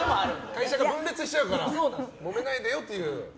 会社が分裂しちゃうからもめないでよという。